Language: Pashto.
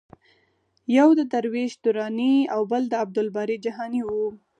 یو د درویش دراني او بل د عبدالباري جهاني و.